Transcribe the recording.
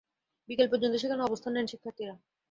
বিকেল পর্যন্ত সেখানে অবস্থান নেন শিক্ষার্থীরা।